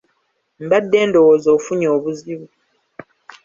Mbadde ndowooza ofunye obuzibu .